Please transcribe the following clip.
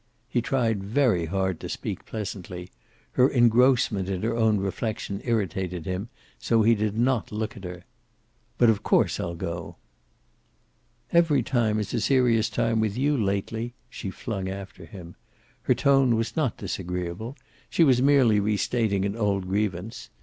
He tried very hard to speak pleasantly. Her engrossment in her own reflection irritated him, so he did not look at her. "But of course I'll go." "Every time is a serious time with you lately," she flung after him. Her tone was not disagreeable. She was merely restating an old grievance.